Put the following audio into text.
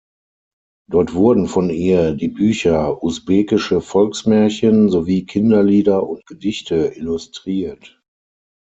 Dort wurden von ihr die Bücher „Usbekische Volksmärchen“ sowie „Kinderlieder und Gedichte“ illustriert.